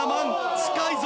近いぞ！